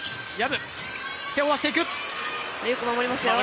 よく守りましたよ